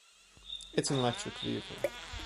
It’s an electric vehicle.